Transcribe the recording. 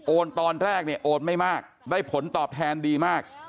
โอนตอนแรกโอนไม่มากได้ผลตอบแทนดีมาก